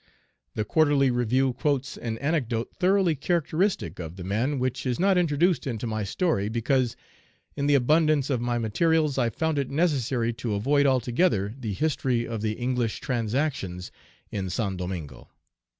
The Quarterly Review quotes an anecdote thoroughly characteristic of the man, which is not introduced into my story because, in the abundance of my materials, I found it necessary to avoid altogether the history of the English transactions in Saint Domingo.